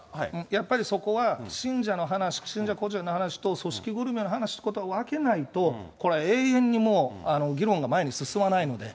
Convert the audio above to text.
やっぱりそこは、信者の話、信者個人の話と組織ぐるみの話を分けないと、これは永遠に議論が前に進まないので。